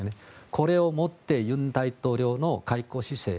これをもって尹大統領の外交姿勢